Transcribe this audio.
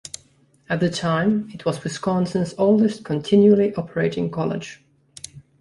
At the time, it was Wisconsin's oldest continually operating college.